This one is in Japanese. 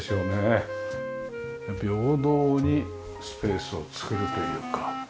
平等にスペースを作るというか。